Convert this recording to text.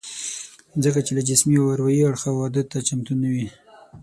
ځکه چې له جسمي او اروايي اړخه واده ته چمتو نه وي